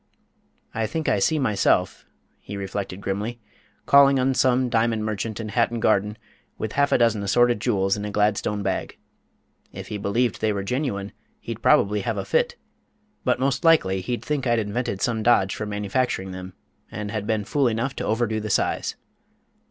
"I think I see myself," he reflected grimly, "calling on some diamond merchant in Hatton Garden with half a dozen assorted jewels in a Gladstone bag. If he believed they were genuine, he'd probably have a fit; but most likely he'd think I'd invented some dodge for manufacturing them, and had been fool enough to overdo the size.